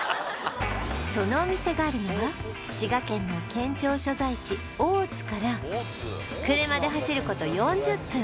そのお店があるのは滋賀県の県庁所在地大津から車で走ること４０分